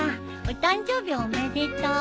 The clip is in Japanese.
お誕生日おめでとう。